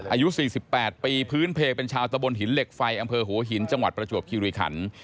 อายุ๔๘ปีพื้นเพลเป็นชาวตะบนหินเหล็กไฟอำเภอหัวหินจังหวัดประจวบคิริขัน